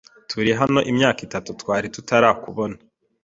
Turi hano imyaka itatu twari tutarakubona.